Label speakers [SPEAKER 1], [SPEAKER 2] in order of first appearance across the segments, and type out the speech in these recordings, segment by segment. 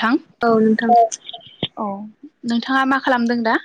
[SPEAKER 1] थां
[SPEAKER 2] औ नोंथां
[SPEAKER 1] औ नोंथाङा मा खालामदों दा?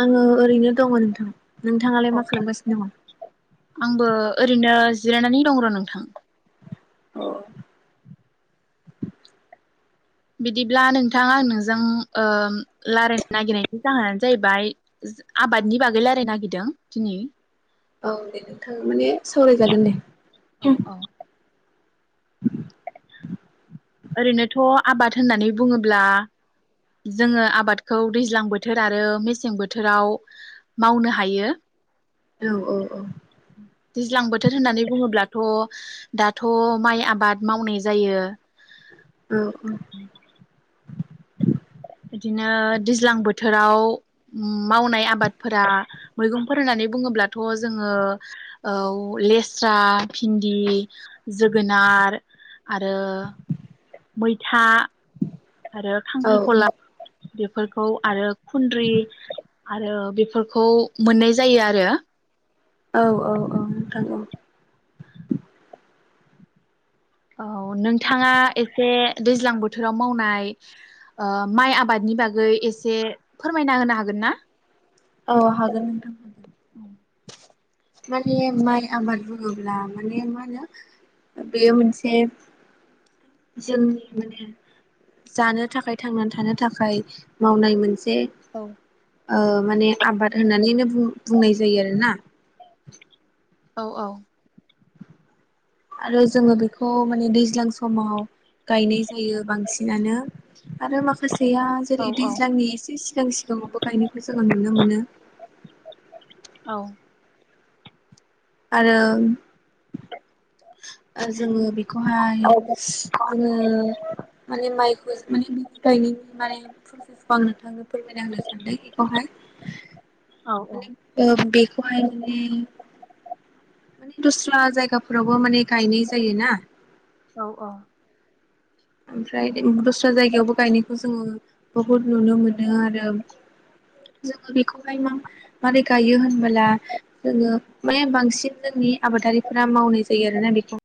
[SPEAKER 2] आङो ओरैनो दङ नोंथां। नोंथाङालाय मा खालामगासिनो दङ?
[SPEAKER 1] आंबो ओरैनो जिरायनानै दं र' नोंथां।
[SPEAKER 2] अ
[SPEAKER 1] बिदिब्ला नोंथां आं नोंजों रायलायनो नागिरनायनि जाहोनानो जाहैबाय आबादनि बागै रायलायनो नागिरदों दिनि।
[SPEAKER 2] औ दे नोंथाङा माने सावरायजागोन दे।
[SPEAKER 1] औ औ। ओरैनोथ' आबाद होननानै बुङोब्ला जोङो आबादखौ दैज्लां बोथोर आरो मेसें बोथोराव मावनो हायो।
[SPEAKER 2] औ औ
[SPEAKER 1] दैज्लां बोथोर होननानै बुङोब्ला थ' दाथ' माइ आबाद मावनाय जायो।
[SPEAKER 2] उम उम।
[SPEAKER 1] बिदिनो दैज्लां बोथोराव ओम मावनाय आबादफोरा मैगंफोर होननानै बुङोब्लाथ' जोङो औ लेस्रा, भिन्दि, जोगोनार आरो मैथा आरो
[SPEAKER 2] औ
[SPEAKER 1] खांख्रिखला बे फोरखौ आरो खुन्द्रि आरो बेफोरखौ मोननाय जायो आरो।
[SPEAKER 2] औ औ औ नोंथां औ।
[SPEAKER 1] औ नोंथाङा एसे दैज्लां बोथोराव मावनाय ओ माइ आबादनि बागै एसे फोरमायना होनो हागोन ना?
[SPEAKER 2] औ हागोन नोंथां। माने माइ आबाद बुङोब्ला माने मा होनो बेयो मोनसे जोंनि माने जानो थाखाय थांनानै थानो थाखाय मावनाय मोनसे से
[SPEAKER 1] औ
[SPEAKER 2] ओ माने आबाद होनानैनो बु-बुंनाय जायो आरोना। [inaudible]
[SPEAKER 1] औ औ।
[SPEAKER 2] आरो जोङो बेखौ माने दैज्लां समाव गायनाय जायो बांसिनानो। आरो माखासेया
[SPEAKER 1] औ
[SPEAKER 2] जेरै
[SPEAKER 1] औ
[SPEAKER 2] दैज्लांनि एसे सिगां सिगाङावबो गायनायखौ जोङो नुनो मोनो।
[SPEAKER 1] औ
[SPEAKER 2] आरो जोङो ओ बेखौहाय जोङो माने माइखौ [unintelligible] गायनायनि माने प्रसेसखौ आं नोंथांनो फोरमायना होनो सानदों बेखौहाय
[SPEAKER 1] औ
[SPEAKER 2] माने बेखौहाय माने माने दस्रा जायगा फ्रावबा माने गायनाय जायो ना।
[SPEAKER 1] औ औ
[SPEAKER 2] ओमफ्राय दस्रा जायगायावबो गायनायखौ जोङो बहुद नुनो मोनो आरो जोङो बेखौहाय मा-मारै गायो होनबोला जोङो माने बांसिन जोंनि आबादारिफोरा मावनाय जायो आरोना बेखौ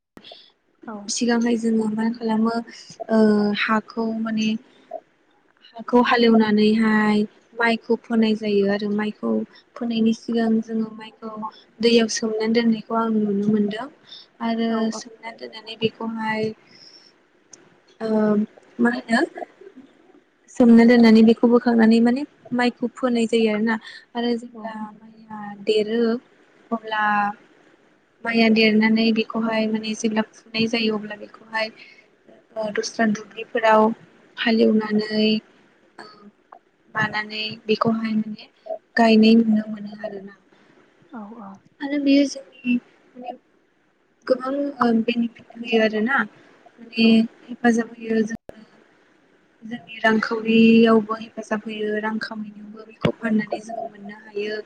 [SPEAKER 1] औ
[SPEAKER 2] सिगांहाय जोङो मा खालामो हाखौ माने हाखौ हालेवनानैहाय माइखौ फोनाय जायो आरो माइखौ फोनायनि सिगां जोङो माइखौ दैयाव सोमनानै दोननाय खौ आं नुनो मोनदों आरो
[SPEAKER 1] औ औ
[SPEAKER 2] सोमना दोननानै बे खौहाय ओ मा होनो सोमना दोननानै बेखौ बोखांनानै माने माइखौ फोनाय जायो आरोना। आरो
[SPEAKER 1] औ
[SPEAKER 2] जेब्ला माइ आ देरो अब्ला माइया देरनानै बेखौहाय माने जेब्ला फुनाय जायो अब्ला बेखौहाय दस्रा दुब्लिफोराव हालेवनानै मानानै बेखौहाय माने गायनाय नुनो मोनो आरोना।
[SPEAKER 1] औ औ
[SPEAKER 2] आरो बेयो जोंनि माने गोबां [unintelligible] होयो आरो ना
[SPEAKER 1] औ
[SPEAKER 2] माने हेफाजाब [unintelligible] जोंनि रांखावरियावबो हेफाजाब होयो रां खामायनायावबो। बेखौ फाननानै जोङो मोननो हायो।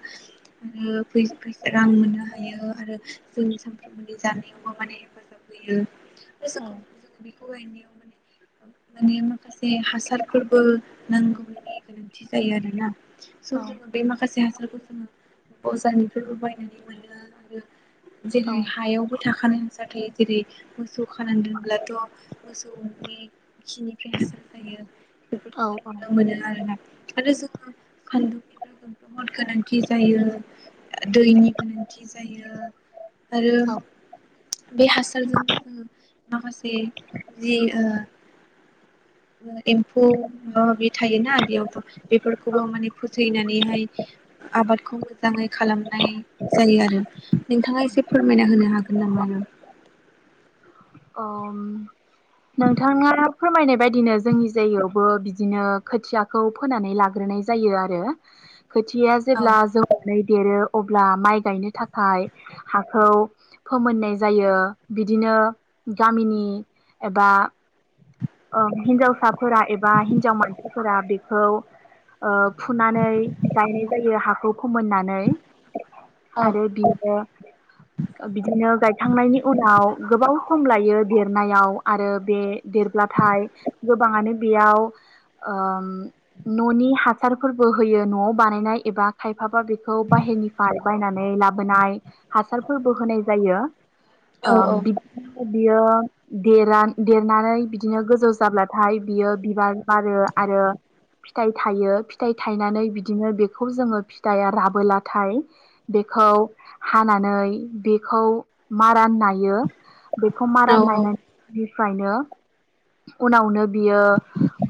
[SPEAKER 2] आरो फैसा रां मोननो हायो आरो जों सानफ्रोमबोनि जानायावबो माने हेफाजाब होयो। [inaudible]
[SPEAKER 1] औ
[SPEAKER 2] [unintelligible] माने माने माखासे हासारफोरबो नांगौनि गोनांथि जायो आरोना। स
[SPEAKER 1] औ
[SPEAKER 2] जोङो बे माखासे हा सारखौ जोङो बजारनिफ्रायबो बायनानै मोनो आरो
[SPEAKER 1] औ
[SPEAKER 2] जोङो हायावबो थाखानाय [unintelligible] जेरै मोसौ खानानै दोनब्लाथ मोसौनि खिनि फ्राय हासार जायो
[SPEAKER 1] औ
[SPEAKER 2] बेफोरखौबो नुनो मोनो आरोना आरो जोङो सान्दुं [unintelligible] बहुद गोनांथि जायो दैनि गोनांथि जायो आरो
[SPEAKER 1] औ
[SPEAKER 2] बे हासारजोंनो जोङो माखासे जि [unintelligible] एम्फौ माबा माबि थायोना बेयावथ' बेफोरखौबो माने फोथैनानैहाय आबाद खौ मोजाङै खालामनाय जायो आरो नोंथाङा एसे फोरमायना होनो हागोन [unintelligible] [unintelligible]
[SPEAKER 1] नोंथाङा फोरमायनाय बायदिनो जोंनि जायगायावबो बिदिनो खोथियाखौ फोनानै लाग्रोनाय जायो आरो खोथिया
[SPEAKER 2] औ नोंथां औ
[SPEAKER 1] जेब्ला जौनानै देरो अब्ला माइ गायनो थाखाय हाखौ फोमोननाय जायो बिदिनो गामिनि एबा हिन्जावसाफोरा एबा हिन्जाव मानसिफोरा बेखौ फुनानै गायनाय जायो हाखौ फोमोननानै आरो बियो बिदिनो गायखांनायनि उनाव गोबां सम लायो दे नायाव आरो बे देर ब्लाथाय गोबाङानो बेयाव न'नि हासारफोरबो होयो न'आव बानायनाय एबा खायफाबा बेखौ बाहेरनिफ्राय बायनानै लाबोनाय हासारफोरबो होनाय जायो बिदिनो बियो देरान देरनानै बिदि दिनो गोजौ जाब्लाथाय बियो बिबार बारो आरो फिथाइ थायो फिथाइ थायनानै बिदिनो बेखौ जोङो फिथाइया राबोलाथाय बेखौ हानानै बेखौ मारान नायो बेखौ मारा नायनाय निफ्रायनो उनावनो बियो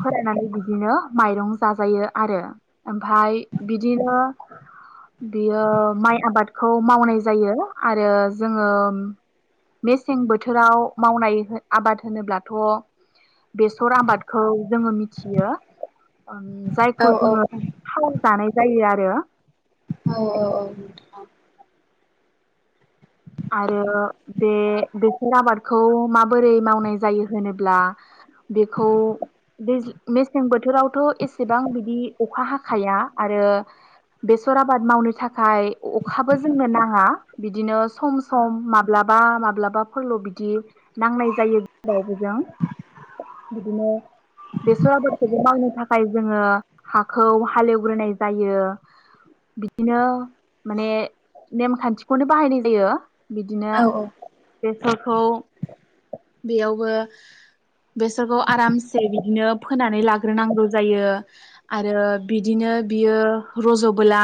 [SPEAKER 1] फोराननानै बिदिनो माइरं जाजायो आरो ओमफ्राय बिदिनो बियो माइ आबादखौ मावनाय जायो आरो जोङो मेसें बोथोराव मावनाय आबाद होनोब्ला थ' बेसर आबादखौ जोङो मिथियो जायखौ जोङो थाव जानाय जायो आरो
[SPEAKER 2] औ औ औ
[SPEAKER 1] आरो बे बेसर आबादखौ माबोरै मावनाय जायो होनोब्ला बेखौ मेसें बोथोरावथ' एसेबां बिदि अखा हाखाया आरो बेसर आबाद मावनो थाखाय अखाबो जोंनो नाङा बिदिनो सम सम माब्लाबा माब्लाबाफोरल' बिदि नांनाय जायो जावबोजों बिदिनो बेसर आबादखौबो मावनो थाखाय जोङो हाखौ हालेवग्रोनाय जायो बिदिनो माने नेमखान्थिखौनो बाहायनाय जायो जायो बिदिनो बेसरखौ बेयावबो बेसरखौ आरामसे बिदिनो फोनानै लाग्रोनांगौ जायो आरो बिदिनो बियो रज'बोला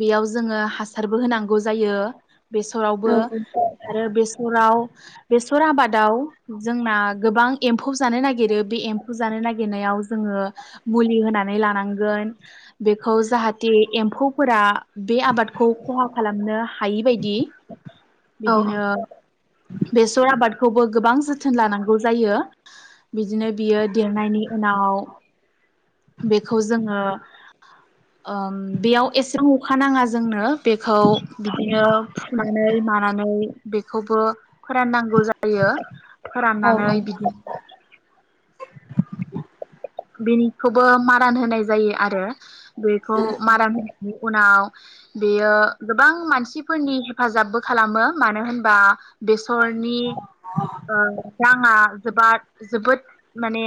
[SPEAKER 1] बेयाव जोङो हासारबो होनांगौ ज जायो बेसरावबो आरो बेसराव बेसर आबादाव जोंना गोबां एम्फौ जानो नागिरो बे एम्फौ जानो नागिरनायाव जोङो मुलि होनानै लानांगोन बेखौ जाहाथे एम्फौफोरा बे आबादखौ खहा खालाम मोननो हायि बायदि बिदिनो बेसर आबादखौबो गोबां जोथोन लानांगौ जायो बिदिनो बियो देरनायनि उनाव बेखौ जोङो बेयाव एसां अखा नाङा जोंनो बेखौ बिदिनो फुनानै मानानै बेखौबो फोराननांगौ जायो फोराननानै बिदि बेनिखौबो मारान होनाय जायो आरो बेखौ माराम होनानै उनाव बेयो गोबां मानसिफोरनि हेफाजाबबो खालामो मानो होनबा बेसरनि ओ राङा जोबाद जोबोद माने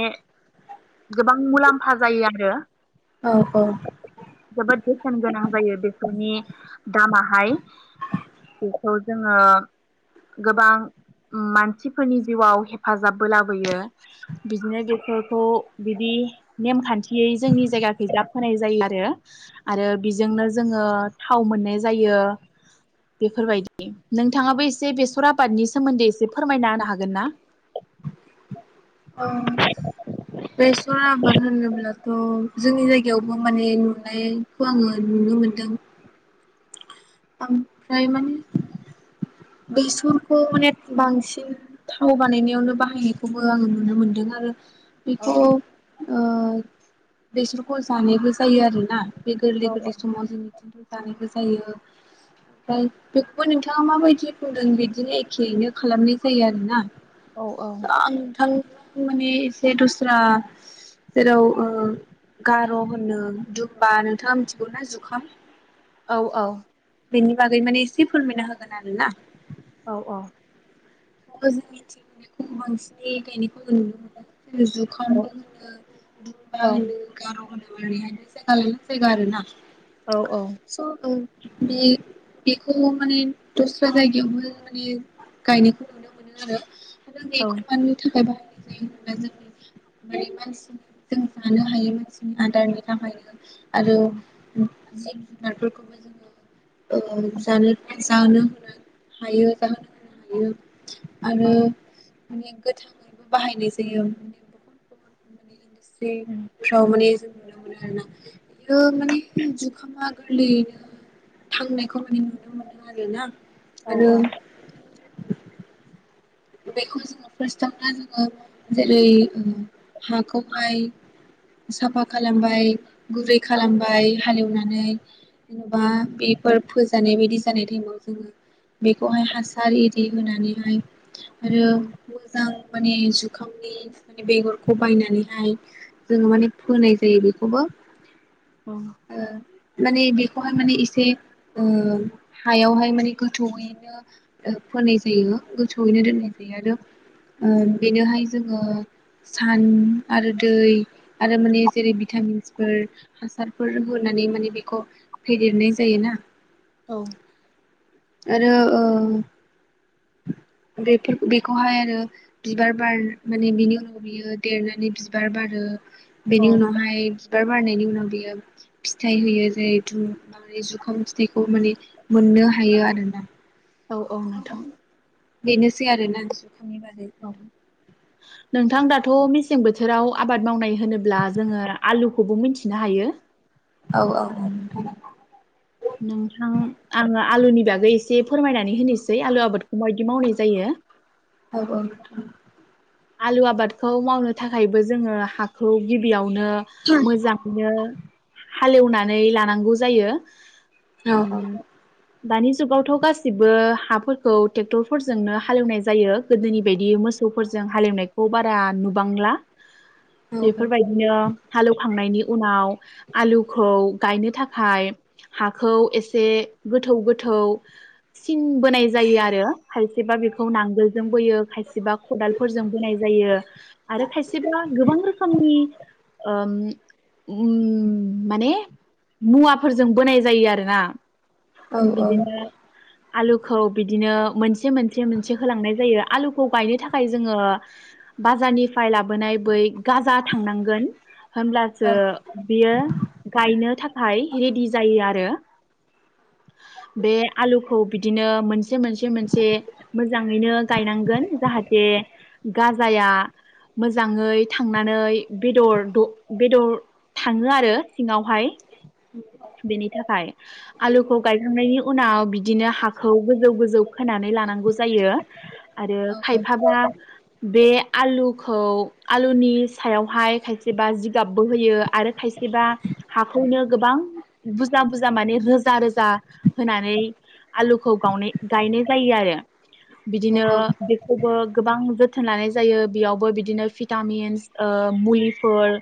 [SPEAKER 1] गोबां मुलाम्फा जायो आरो
[SPEAKER 2] औ औ
[SPEAKER 1] जोबोद बेसेन गोनां जायो बेसरनि दामाहाय बेखौ जोङो गोबां मानसिफोरनि जिउआव हेफाजाबबो लाबोयो बिदिनो बेसरखौ बिदि नेमखान्थियै जोंनि जायगाखै जा फोनाय जायो आरो आरो बिजोंनो जोङो थाव मोननाय जायो बेफोरबायदि नोंथाङाबो एसे बेसर आबादनि सोमोन्दै एसे फोरमायना होनो हागोन ना
[SPEAKER 2] औ बेसर आबाद होनोब्ला थ' जोंनि जायगायावबो माने नुनायखौ आङो नुनो मोनदों ओमफ्राय माने बेसरखौ माने बांसिन थाव बानायनायावनो बाहायनायखौबो आङो नुनो मोनदों आरो
[SPEAKER 1] औ
[SPEAKER 2] बेखौ ओ बेसरखौ जानायबो जायो आरोना। बे गोरलै गोरलै
[SPEAKER 1] औ
[SPEAKER 2] समाव जोंनिथु [unintelligible] जानायखौ जायो ओमफ्राय बेखौ नोंथाङा माबायदि बुंदों बिदिनो एखेयैनो खालामनाय जायो आरोना।
[SPEAKER 1] औ
[SPEAKER 2] [unintelligible] थां माने एसे दस्रा जेराव ओ गार' होनो दुमबा नोंथाङा मिथिगौ ना जुखाम
[SPEAKER 1] औ औ
[SPEAKER 2] बेनि बागै माने एसे फोरमायना होगोन आरो ना
[SPEAKER 1] औ औ।
[SPEAKER 2] [unintelligible] जुखामबो होनो दुमबा
[SPEAKER 1] औ
[SPEAKER 2] होनो गार' होनो
[SPEAKER 1] औ
[SPEAKER 2] । [unintelligible] [unintelligible] बे बेखौ माने दस्रा जायगायावबो माने गायनायखौ [unintelligible] [unintelligible] [unintelligible] आदारनि थाखाय [unintelligible] आरो
[SPEAKER 1] औ
[SPEAKER 2] उम। [unintelligible] [unintelligible] [unintelligible] आरो
[SPEAKER 1] औ
[SPEAKER 2] मान [unintelligible] गोथाङैबो बाहायनाय जायो ।
[SPEAKER 1] नोंथां
[SPEAKER 2] [inaudible] फ्राव माने जों [unintelligible] बेयो माने जुखामा [unintelligible] थांनायखौ माने नुनो मोनो आरो ना आरो। बेखौ जोङो फार्स्टआवनो जोङो जेरै हाखौहाय साफा खालामबाय गुरै खालामबाय। हालेवनानै जेनबा बेफोर। फोजानाय बायदि जानाय टाइमाव जोङो बेखौहाय हासार एरि होनानैहाय। आरो मोजां माने जुखामनि माने बेगरखौ बायनानैहाय जोङो माने फोनाय जायो बेखौबो ओ। माने बेखौहाय माने एसे ओ हायावहाय माने गोथौयैनो ओ फोनाय जायो। जयैनो दोननाय जायो आरो ओ बेनोहाय जोङो सान आरो दै आरो माने जेरै भिटामिन्सफोर हासारफोर होनानै माने बेखौ फेदेरनाय जायो ना
[SPEAKER 1] औ
[SPEAKER 2] आरो ओ बेफोर बेखौहाय आरो बिबार बार माने बिनि उनाव बियो देरनानै बिबार बारो बेनि उनावहाय बिबार बारनायनि उनाव बेयो फिथाइ होयो जेरैतु माने जुखाम फिथाइखौ माने मोननो हायो आरोना
[SPEAKER 1] औ औ नोंथां
[SPEAKER 2] बेनोसै आरोना जुखामनि बागै नोंथां
[SPEAKER 1] नोंथां दाथ मेसें बोथोराव आबाद मावनाय होनोब्ला जोङो आलुखौबो मिनथिनो हायो।
[SPEAKER 2] औ औ
[SPEAKER 1] नोंथां आङो आलुनि बागै एसे फोरमायनानै होनोसै आलु आबादखौ माबायदि मावनाय जायो।
[SPEAKER 2] औ औ नोंथां
[SPEAKER 1] आलु आबादखौ मावनो थाखायबो जोङो हाखौ गिबियाव नो मोजाङैनो हालेवनानै लानांगौ जायो।
[SPEAKER 2] औ औ
[SPEAKER 1] उम दानि जुगावथ गासैबो हाफोरखौ ट्रेक्टरफोरजोंनो हालेवनाय जायो गोदोनि बायदि मोसौफोरजों जों हालेवनायखौ बारा नुबांला
[SPEAKER 2] नोंथां
[SPEAKER 1] बेफोरबायदिनो हालौवखांनायनि उनाव आलुखौ गायनो थाखाय हाखौ एसे गोथौ गोथौ सिन बोनाय जायो आरो खायसेबा बेखौ नांगोलजों बोयो खायसेबा खदालफोरजों बोनाय जायो आरो खायसेबा गोबां रोखोमनि ओ उम माने मुवाफोरजों बोनाय जायो आरोना
[SPEAKER 2] औ औ
[SPEAKER 1] बिदिनो आलुखौ बिदिनो मोनसे मोनसे मोनसे होलांनाय जायो आलुखौ गायनो थाखा खाय जोङो बाजारनिफ्राय लाबोनाय बै गाजा थांनांगोन होनब्लासो
[SPEAKER 2] औ
[SPEAKER 1] बियो गायनो थाखाय रेडि जायो आरो बे आलुखौ बिदिनो मोन मोनसे मोनसे मोनसे मोजाङैनो गायनांगोन जाहाथे जे गाजाया मोजाङै थांनानै बेदर द बेदर थाङो आरो सिङावहाय बेनि थाखाय आलुखौ गायखांनायनि उनाव बिदिनो हाखौ गोजौ गोजौ खोनानै लानांगौ जायो। आरो खाय जा बे आलुखौ आलुनि सायावहाय खायसेबा जिगाबबो होयो आरो खायसेबा हाखौनो गोबां बुरजा बुरजा माने रोजा रोजा होनानै आलुखौ गावनाय गायनाय जायो आरो
[SPEAKER 2] औ
[SPEAKER 1] बिदिनो
[SPEAKER 2] औ
[SPEAKER 1] बे खौबो गोबां जोथोन लानाय जायो बेयावबो बिदिनो भिटामिनस ओ मुलिफोर